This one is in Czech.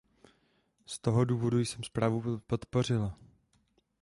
Z toho důvodu jsem zprávu podpořila.